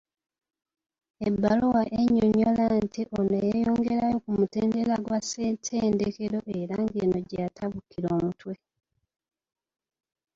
Ebbaluwa ennyonnyola nti ono yeeyongerayo ku mutendera gwa Ssettendekero era ng'eno gye yatabukira omutwe.